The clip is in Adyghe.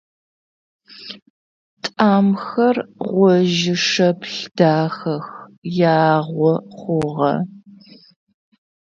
Тӏамхэр гъожьы-шэплъ дахэх, ягъо хъугъэ.